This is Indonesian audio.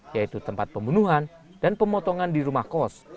yaitu tempat pembunuhan dan pemotongan di rumah kos